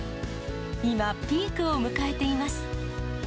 今、ピークを迎えています。